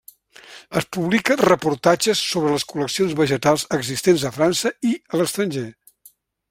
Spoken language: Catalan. Es publica reportatges sobre les col·leccions vegetals existents a França i a l'estranger.